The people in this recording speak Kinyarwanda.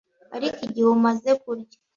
Ariko igihe umaze kurya